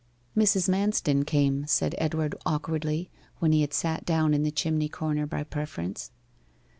'Mrs. Manston came,' said Edward awkwardly, when he had sat down in the chimney corner by preference.